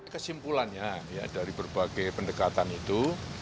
kesimpulannya ya dari berbagai pendekatan itu